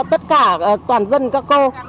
tất cả toàn dân các cô